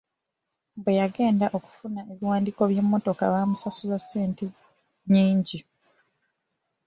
Bwe yagenda okufuna ebiwandiiko by'emmotoka baamusasuza ssente nnyingi.